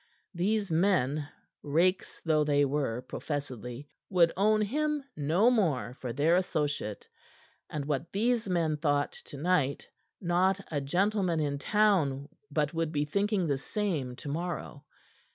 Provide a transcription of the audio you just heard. These men rakes though they were, professedly would own him no more for their associate; and what these men thought to night not a gentleman in town but would be thinking the same tomorrow.